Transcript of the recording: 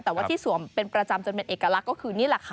แต่ว่าที่สวมเป็นประจำจนเป็นเอกลักษณ์ก็คือนี่แหละค่ะ